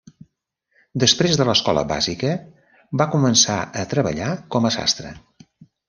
Després de l'escola bàsica, va començar a treballar com a sastre.